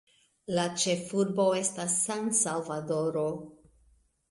La ĉefurbo estas San-Salvadoro.